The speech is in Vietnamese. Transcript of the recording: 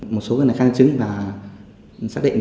một số người này khăn chứng và xác định